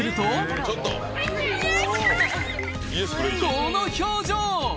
この表情！